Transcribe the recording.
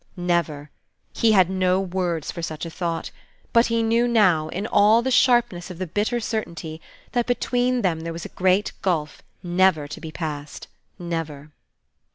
Never! He had no words for such a thought, but he knew now, in all the sharpness of the bitter certainty, that between them there was a great gulf never to be passed. Never!